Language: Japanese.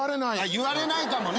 言われないかもね。